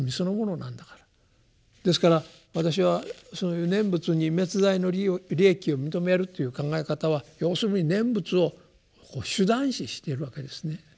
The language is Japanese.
ですから私はそういう念仏に滅罪の利益を認めるという考え方は要するに念仏を手段視してるわけですね。